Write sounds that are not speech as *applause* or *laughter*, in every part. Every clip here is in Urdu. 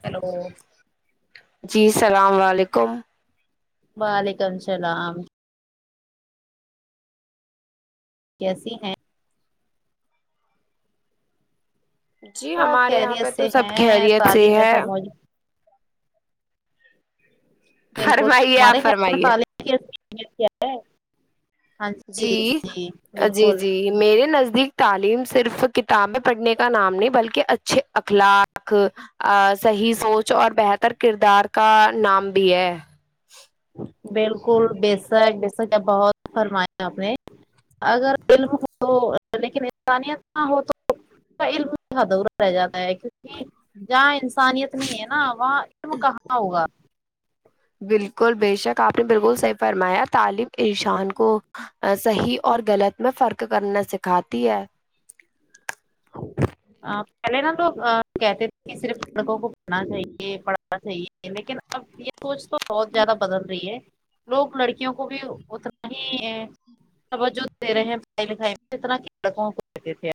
ہیلو جی السلام علیکم وعلیکم السلام کیسی ہیں جی سب ہمارے یہاں خیریت پہ سے تو سب ہیں خیریت سے تعلیم ہے ایسا موجود فرمائیے آپ فرمائیے *unintelligible* ہاں جی جی جی بالکل جی میرے نزدیک تعلیم صرف کتابیں پڑھنے کا نام نہیں بلکہ اچھے اخلاق ا صحیح سوچ اور بہتر کردار کا نام بھی ہے بالکل بےسک بےسک بہت فرمایا آپ نے اگر علم ہو تو لیکن انسانیت نہ ہو تو کا علم ادھورا رہ جاتا ہے کیونکہ جہاں انسانیت نہیں ہے ن وہاں علم کہاں ہوگا بالکل بے شک آپ نے بالکل صحیح فرمایا تعلیم انشان کو صحیح اور غلط میں فرق کرنا سکھاتی ہے ا پہلے نا لوگ کہتے تھے کہ صرف لڑکوں کو پڑھنا چاہیے پڑھانا چاہیے لیکن اب یہ سوچ تو بہت زیادہ بدل رہی ہے لوگ لڑکیوں کو بھی اتنا ہی تو جو دے رہے ہیں پڑھائی لکھائی میں اتنا کہ لڑکوں کو دیتے تھے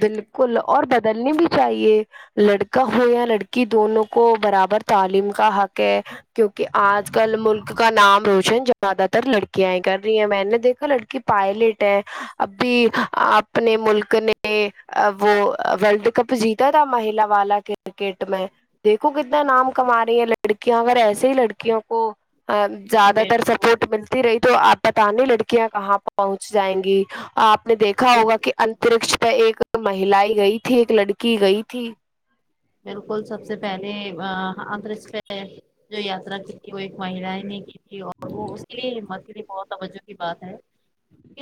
بالکل اور بدلنی بھی چاہیے لڑکا ہو یا لڑکی دونوں کو برابر تعلیم کا حق ہے کیونکہ آج کل ملک کا نام روشن زیادہ تر لڑکیایں کر رہی ہیں میں نے دیکھا لڑکی پائلٹ ہے اب بھی اپنے ملک نے ے وہ وورلڈ کپ جیتا تھا مہیلا والا کرکٹ میں دیکھو کتنا نام کما رہی ہے لڑکیاں اگر ایسے ہی لڑکیوں کو ا زیادہ تر بالکل سپورٹ ملتی رہی تو آپ پتا لڑکیاں کہاں پہنچ جائیں گی آپ نے دیکھا ہوگا کہ اترکش پہ ایک مہیل گئی تھی ایک لڑکی گئی تھی بالکل سب سے پہلے ا اٹریکش جو یاترا کی تھی وہ ایک مہیلا نے جی اور وہ اس کے لیے مے بہت توجہ کی بات ہے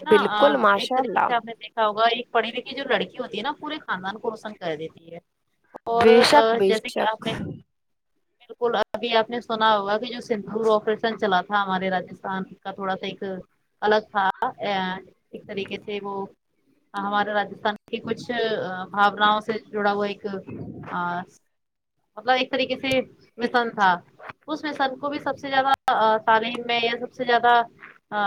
نا بالکل ایک ماشاء طریقے اللہ سے ہم نے دیکھ ہوگا ایک پڑھی لکھی جو لڑکی ہوتی ہے نا پورے خاندان کو روشن کر دیتی ہے اور بے شک بے جیسے کہ آپ شک نے بالکل ابھی آپ نے سنا ہوگا کی جو سندور آپریشن چلا تھا ہمارے راستھان کا تھوڑا سا ایک الگ تھا ایک طریقے سے وہ ہمارے راجستھان کے کچھ بھفناؤ سے جڑا ہوا ایک آ مطلب ایک طریقے سے مشن تھا اس مشن کو بھی سب سے زیادہ تعلیم میں یے سب سے زیادہ آ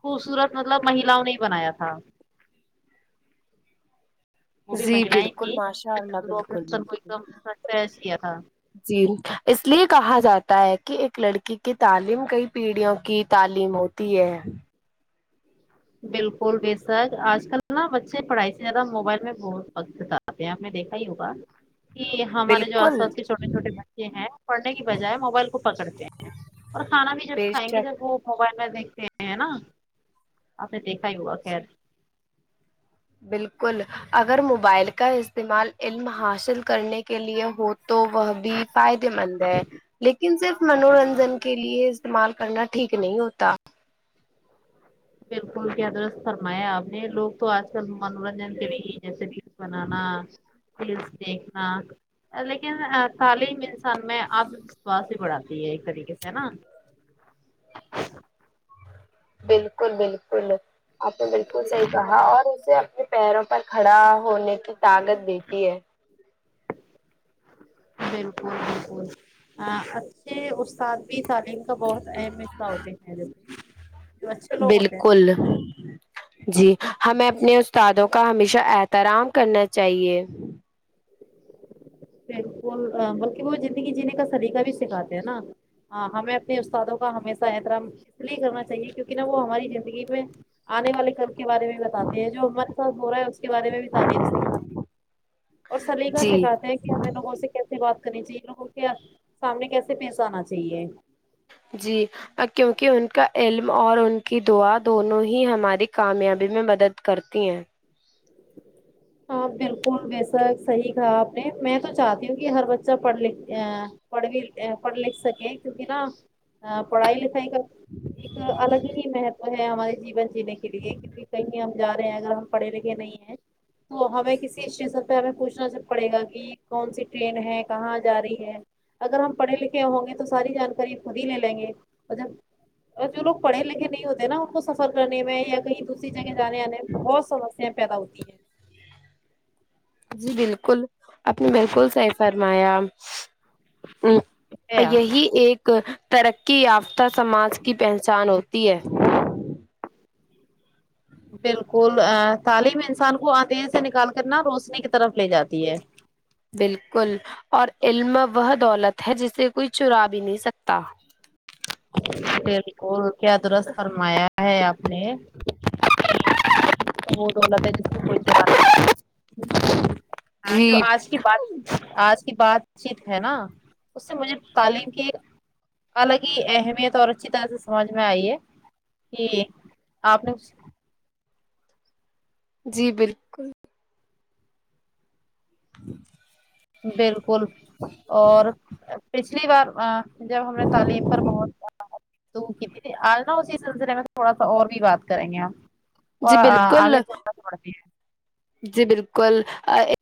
خوبصورت مطلب مہلاؤ نے ہی بنایا تھا وہ بھی جی مہیلائیں بالکل تھیں ماشاء اللہ سندور بالکل آپریشن کو ایک بالکل دم سکسیس کیا تھا جی اس لیے کہا جاتا ہے کہ ایک لڑکی کی تعلیم کئی پیڑھیوں کی تعلیم ہو تی ہے بالکل بیشک آج کل نا بچے پڑھائی سے زیادہ موبائل میں بہت وقت بتاتے آپ نے آپ نے دیکھا ہی ہوگا کی ہمارے جو آس بالکل پاس کے چھوٹے چھوٹے بچے ہیں پڑھنے کی بجائے موبائل کو پکڑتے ہیں اور کھانا بھی جب بے کھائیں گے شک جب وہ موبائل میں دیکھتے ہیں ہے نا آپ نے دیکھا ہی ہوگا خیر بالکل اگر موبائل کا استعمال علم حاصل کرنے کے لیے ہو تو وہ بھی فائدے مند ہے لیکن صرف منورنجن کے لیے استعمال کرنا ٹھیک نہیں ہوتا بالکل کی کیا درست فرمایا آپ نے لوگ تو آج کل منورنجن کے لی جیسے ریلس بنانا ریلس دیکھنا لیکن تعلیم انسان میں اتم وشواس بھی بڑھاتی ہے ایک طریقے سے ہے نا بالکل بالکل آپ نے بالکل صحیح کہا اور اسے اپنے پیروں پر کھڑا ہونے کی طاقت دیتی ہے بالکل بالکل آ اچھے استاد بھی تعلیم کا بہت اہم حصہ ہوتے ہیں جو اچھے لوگ ہوتے ہیں نا بالکل جی ہمیں اپنے استادوں کا ہمیشہ احترام کرنا چاہیے بالکل بلکی وہ زندگی جینے کا سلیقہ بھی سکھاتے ہیں نا ہاں ہمیں اپنے استادوں کا ہمیشہ احترام کرنا چاہیے کیونکی نہ وہ ہماری زندگی میں آنے والے کل کے بارے میں بتاتے ہیں جو ہمارے ساتھ ہو رہا ہے اس کے بارے میں بھی تعلیم سیکھاتے اور سلیقہ جی سکھاتے ہیں کے غیر لوگوں سے کیسے بات کرنی چاہیے لوگوں کے سامنے کیسے پیش آنا چاہیے جی کیونکی ان کا علم اور ان کی دعا دونوں ہی ہماری کامیابی میں مدد کرتی ہیں ہاں بالکل بے شک صحیح کہا آپ نے میں تو چاہتی ہوں کی ہر بچہ پڑھ لکھ پڑھ لکھ ا پڑھ لکھ سکے کیونکی نہ پڑھائی لکھائی کا ایک الگ ہی میہتوا ہمارے جوان جینے کے لیے کیونکی کہیں ہم جارہے ہیں اگر ہم پڑھے لکھے نہیں ہے تو ہمیں کسی *unintelligible* پوچھنا پڑے گا کی کون سی ٹرین ہے کہاں جا رہی ہے اگر ہم پڑھے لکھے ہوں گے تو ساری جانکاری خود ہی لے لیں گے اور جب اور جو لوگ پڑے لکھے نہیں ہوتے نا ان کو سفر کرنے میں یا کہیں دوسری جگہ جانے آنے میں بہت سمسیہ پیدا ہوتی ہیں جی بالکل آپ نے بالکل صحیح فرمایا آمم اور کیا یہی ایک ترقی یافتہ سماج کی پہچان ہوتی ہے بالکل تعلیم انسان کو اندھرے سے نکال کرنا روشنی کی طرف لے جاتی ہے بالکل اور علم وہ دولت ہے جسے کوئی چرا بھی نہیں سکتا بالکل کیا درست فرمایا ہے آپ نے کہ علم تو وہ دولت ہے جس کو کوئی چورا نہیں سکتا جو جی آج آج کی بات چیت ہے نا اس سے مجھے تعلیم کی الگ ہی اہمیت اور اچھی طرح سے سمجھ میں آئی ہے جی آپ نے جی بالکل بالکل اور پچھلی بار جب ہم نے تعلیم پر بہتا تو تھی آج نہ اسی سلسلے میں تھوڑا سا اور بھی بات کریں گے آپ اور جی بالکل آگے توڑا سا بڑھتی ہے جی بالکل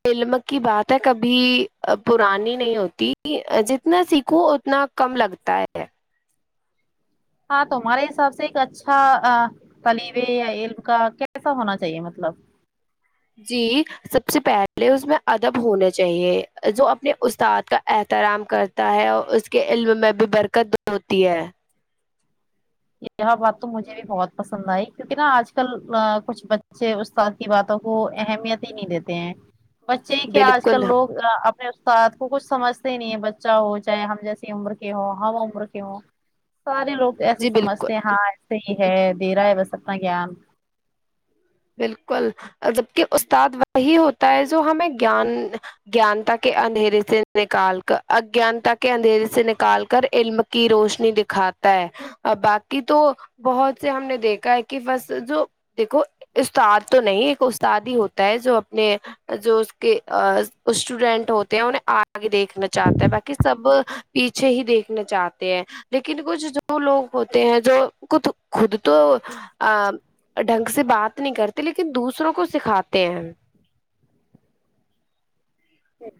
علم کی بات ہے کبھی پرانی نہیں ہوتی کہ جتنا سیکھوں اتنا کم لگتا ہے ہاں تمارے حساب سے ایک اچھا طلبایا علم کا کیسا ہونا چاہیے مطلب جی سب سے پہلے اس میں ادب ہونا چاہیے جو اپنے استاد کا احترام کر تا ہے اور اس کے علم میں بھی برکت ہوتی ہے یہ بات تو مجھے بھی بہت پسند آئی کیونکہ نا آج کل کچھ بچے استاد کی باتوں کو اہمیت ہی نہیں دیتے ہیں بچے کہ آج بالکل کل لوگ اپنے استاد کو کچھ سمجھتے نہیں ہے بچہ ہو چاہے ہم جسے عمر کے ہوں ہم عمر کے ہوں سارے لوگ ایسے جی بالکل سمجھتے ہیں ہاں ایسے ہی ہے دے رہا ہے بس اپنا گیان بالکل جب کہ استاد وہی ہوتا ہے جو ہمیں گیان گینتا کے اندھیرے سے نکال کر اگینتا کے اندھیرے سے نکال کر علم کی روشنی دکھاتا ہے باقی تو بہت سے ہم نے دیکھا ہے کہ بس جو دیکھو استاد تو نہیں ایک استاد ہی ہوتا ہے جو اپنے جو اس کے اسٹوڈینٹ ہوتے ہیں انہیں آگے دیکھنا چاہتا ہے باقی سب پیچھے ہی دیکھنا چاہتے ہیں لیکن کچھ جو لوگ ہوتے ہیں جو کھ خود تو ا ڈھنگ سے بات نہیں کرتے لیکن دوسروں کو سکھاتے ہیں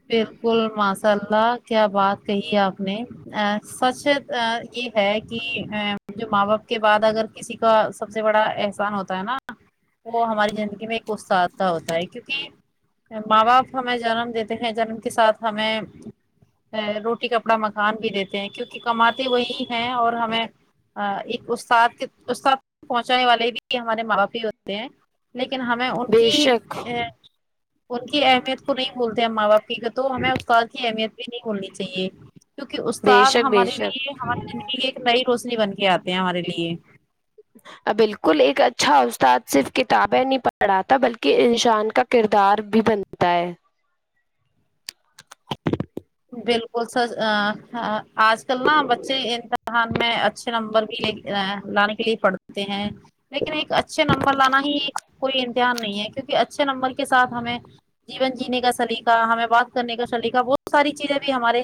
بالکل ماشاء اللہ کیا بات کہی آپ نے سچ یہ ہے کہ ا جو ماں باپ کے بعد اگر کسی کا سب سے بڑا احسان ہوتا ہے نا وہ ہماری زندگی میں ستاد کا ہوتا ہے کیونکہ ماں باپ ہمیں جنم دیتے ہیں جنم کے ساتھ ہمیں روٹی کپڑا مکان بھی دیتے ہیں کیونکہ کماتے وہی ہیں اور ہمیں ہ ایک استاد کے استاد پہنچانے والے بھی ہمارے ماں باپ ہی ہوتے ہیں لیکن ہمیں ان بے کی شک ان کی اہمیت کو نہیں بھولتے ہم ماں باپ تو ہمیں استاد کی اہمیت بھی نہیں بھولنی چاہیے کیونکہ بے استاد شک بے ہمارے شک لیے ہماری ذندگی کی ایک نئی روشنی بن کے آتے ہیں ہمارے لیے بالکل ایک اچھا استاد صرف کتابیں نہیں پڑھاتا بلکہ انسان کا کردار بھی بنتا ہوتا ہے بالکل سچ آج کل نہ بچے ان میں اچھے نمبر بھی لے لانے کے لیے پڑھتے ہیں لیکن ایک اچھے نمبر لانا ہی کوئی امتحان نہیں ہے کیونکہ اچھے نمبر کے ساتھ ہمیں جیون جینے کا سلیقہ ہمیں بات کرنے کا سلیقہ بہت وہ ساری چیزیں بھی ہمارے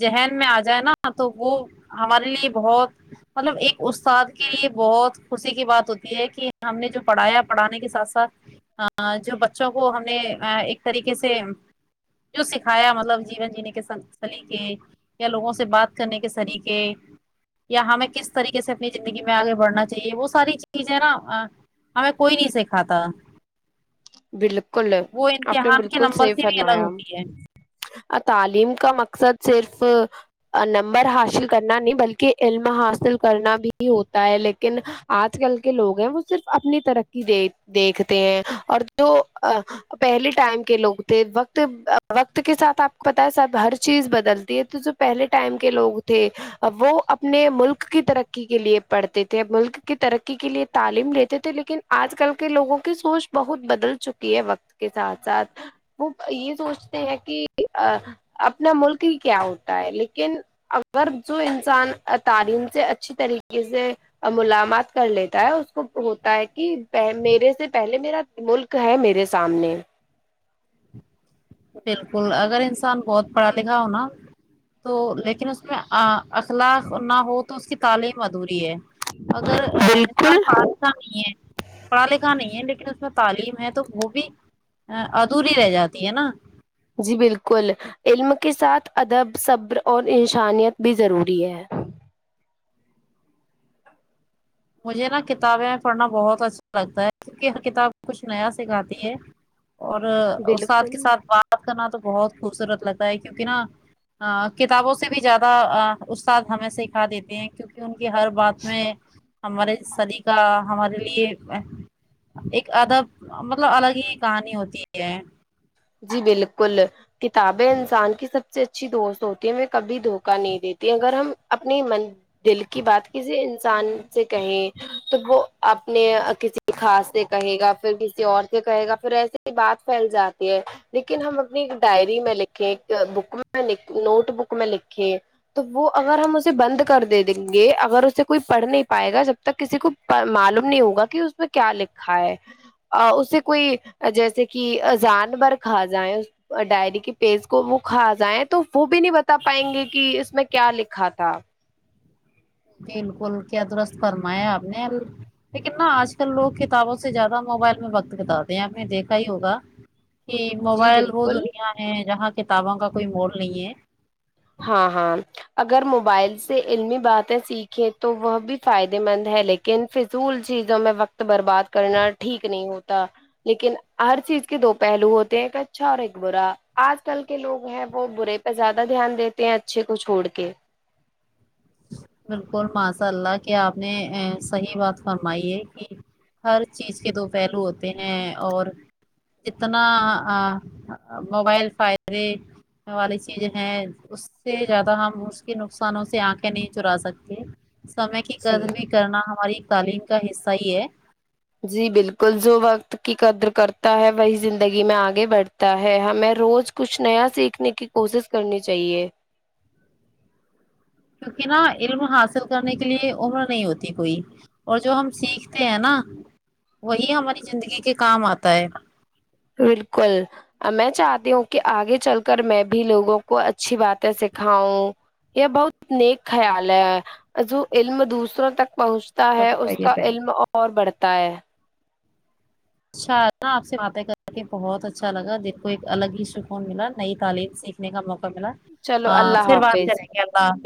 ذہںن میں آ جائے نا تو وہ ہمارے لیے بہت مطلب ایک استاد کے لیے بہت خوشی کی بات ہوتی ہے کہ ہم نے جو پڑھایا پڑھانے کے ساتھ ساتھ ا جو بچوں کو ہم نے ایک طریقے سے جو سکھایا مطلب جیون جینے کے سلیقے یا لوگوں سے بات کرنے کے سلیقے یا ہمیں کس طریقے سے اپنی زندگی میں آگے بڑھنا چاہیے وہ ساری چیزیں نا ہاں کوئی نہیں سکھاتا بالکل وہ اپ نے امتحان کے بالکل نمبر صیف سے بھی الگ فرمایا ہوتی ہے ا تعلیم کا مقصد صرف نمبر حاصل کرنا نہیں بلکہ علم حاصل کرنا بھی ہوتا ہے لیکن آج کل کے لوگ ہیں وہ صرف اپنی ترقی د دیکھتے ہیں اور جو پہلے ٹائم کے لوگ تھے وقت وقت کے ساتھ آپ کو پتا ہے سب ہر چیز بدلتی ہے تو جب پہلے ٹائم کے لوگ تھے وہ اپنے ملک کی ترقی کے لیے پڑھتے تھے ملک کی ترقی کے لیے تعلیم لیتے تھے لیکن آج کل کے لوگوں کی سوچ بہت بدل چکی ہے وقت کے ساتھ ساتھ وہ یہ سوچتے ہیں کہ اپنا ملک ہی کیا ہوتا ہے لیکن اگر جو انسان تعلیم سے اچھی طریقے سے ملامات کر لیتا ہے اس کو ہوتا ہے کہ میرے سے پہلے میرا ملک ہے میرے سامنے بالکل اگر انسان بہت پڑھا لکھا ہو نا تو لیکن اس میں اخلاق نہ ہو تو اس کی تعلیم ادھوری ہے اگر بالکل سال پ اا نہیں ہے پڑھا لکھا نہیں ہے لیکن اس میں تعلیم ہے تو وہ بھی ادھوری رہ جاتی ہے نا جی بالکل علم کے ساتھ ادب صبر اور انشانیت بھی ضروری ہے مجھے نا کتابیں پڑھنا بہت اچھا لگتا ہے کیونکہ ہر کتاب کچھ نیا سکھاتی ہے اور استاد بالکل کے ساتھ بات کرنا تو بہت خوبصورت لگتا ہے کیونکہ نا کتابوں سے بھی زیادہ استاد ہمیں سکھا دیتے ہیں کیونکہ ان کی ہر بات میں ہمارے ساری کا ہمارے لیے ایک ادب مطلب الگ ہی کہانی ہوتی ہے جی بالکل کتابیں انسان کی سب سے اچھی دوست ہوتی ہے ہم کبھی دھوکہ نہیں دیتی اگر ہم اپنی من دل کی بات کیجے انسان سے کہیں تو وہ اپنے کسی خاس سے کہے گا پھر کسی اور سے کہے گا پھر ایسے ہی بات پھیل جاتی لیکن ہم اپنی ایک ڈائری میں لکھیں بک میں نوٹ بک میں لکھیں تو وہ اگر ہم اسے بند کر دے دیں گے اگر اسے کوئی پڑھ نہیں پائے گا سب تک کسی کو معلوم نہیں ہوگا کہ اس میں کیا لکھا ہے اسے کوئی جیسے کہ جانور کھا جائیں ڈائری کے پیج کو وہ کھا جائیں تو وہ بھی نہیں بتا پائیں گے کہ اس میں کیا لکھا تھا بالکل کیا درست فرمایا آپ نے لیکن نا آج کل لوگ کتابوں سے زیادہ موبائل میں وقت بتاتے ہیں آپ نے دیکھا ہی ہوگا کہ جی موبائل وہ بالکل دنیا ہے جہاں کتابوں کا کوئی مول نہیں ہے ہاں ہاں اگر موبائل سے علمی باتیں سیکھیں تو وہ بھی فائدے مند ہے لیکن کن فضول چیزوں میں وقت برباد کرنا ٹھیک نہیں ہوتا لیکن ہر چیز کے دو پہلو ہوتے ہیں ایک اچھا اور ایک برا آج کل کے لوگ ہیں وہ برے پہ زیادہ دھیان دیتے ہیں اچھے کو چھوڑ کے بالکل ماساء اللہ کہ آپ نے صحیح بات فرمائی ہے کہ ہر چیز کے دو پہلو ہوتے ہیں اور اتنا موبائل فائے والی چیز ہے اس سے زیادہ ہم اس کے نقصانوں سے آنکھ نہیں چرا سکتے سمے کی جی قدر بھی کرنا ہماری تعلیم کا حصہ ہی ہے جی بالکل جو وقت کی قدر کرتا ہے وہی زندگی میں آگے بڑھتا تا ہے ہمیں روز کچھ نیا سیکھنے کی کوشش کرنی چاہیے کیونکہ نا علم حاصل کرنے کے لیے عمر نہیں ہوتی کوئی اور جو ہم سیکھتے ہیں نا وہی ہماری زندگی کے کام آتا ہے بالکل میں چاہتی ہوں کہ آگے چل کر میں بھی لوگوں کو اچھی باتیں سکھاؤں یہ بہت نیک خیال ہے جو علم دوسروں تک پہنچ تا ہے اس کا علم اور بڑھتا ہے اچھا نا آپ سے باتیں کر کے بہت اچھا لگا دیکھو ایک الگ ہی سکون ملا نئی تعلیم سیکھ نے کا موقع ملا چلو آں اللہ پھر بات حافظ کریں گے اللہ حافظ